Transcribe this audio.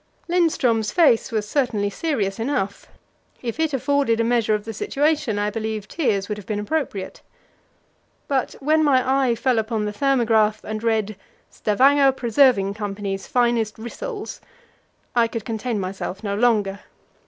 Lindström's face was certainly serious enough; if it afforded a measure of the situation, I believe tears would have been appropriate. But when my eye fell upon the thermograph and read, "Stavanger Preserving Co.'s finest rissoles," I could contain myself no longer.